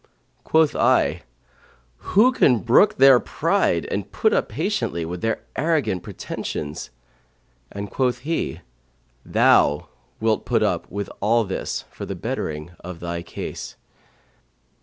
Quoth I, Who can brook their pride and put up patiently with their arrogant pretensions?' and quoth he, Thou wilt put up with all this for the bettering of thy case.'"